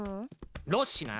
ロッシな。